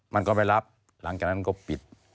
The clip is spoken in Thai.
มันก็ไปรับหลังจากนั้นก็ปิด